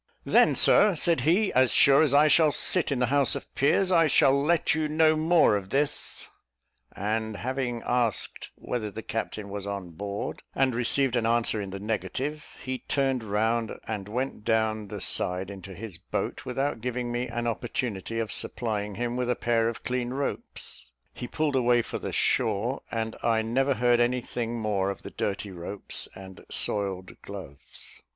"Then, Sir," said he, "as sure as I shall sit in the House of Peers, I shall let you know more of this:" and having asked whether the captain was on board, and received an answer in the negative, he turned round and went down the side into his boat, without giving me an opportunity of supplying him with a pair of clean ropes. He pulled away for the shore, and I never heard any thing more of the dirty ropes and soiled gloves.